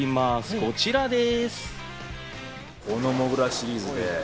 こちらです。